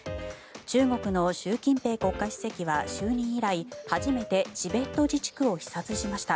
中国の習近平国家主席は就任以来初めてチベット自治区を視察しました。